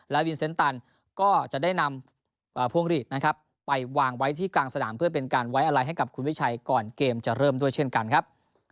วินเซ็นตันก็จะได้นำพวงหลีดนะครับไปวางไว้ที่กลางสนามเพื่อเป็นการไว้อะไรให้กับคุณวิชัยก่อนเกมจะเริ่มด้วยเช่นกันครับ